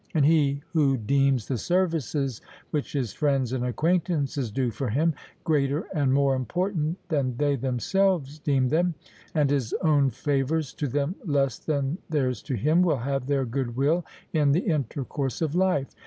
And he who deems the services which his friends and acquaintances do for him, greater and more important than they themselves deem them, and his own favours to them less than theirs to him, will have their good will in the intercourse of life.